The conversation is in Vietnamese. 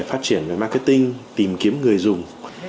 phát triển về marketing tìm kiếm người dùng